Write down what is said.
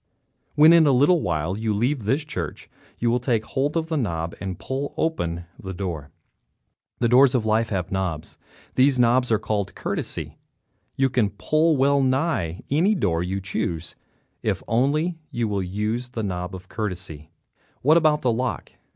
When, in a little while, you leave this church you will take hold of a knob and pull open the door. The doors of life have knobs. Those knobs are called courtesy. You can open well nigh any door you choose if only you will use the knob courtesy. What about the lock?